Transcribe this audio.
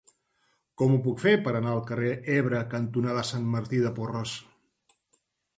Com ho puc fer per anar al carrer Ebre cantonada Sant Martí de Porres?